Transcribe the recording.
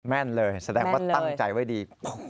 แม่นเลยแสดงว่าตั้งใจไว้ดี